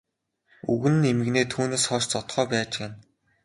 Өвгөн нь эмгэнээ түүнээс хойш зодохоо байж гэнэ.